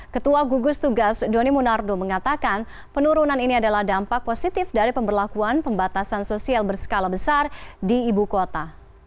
ketua gugus tugas doni munardo mengatakan penurunan ini adalah dampak positif dari pemberlakuan pembatasan sosial berskala besar di ibu kota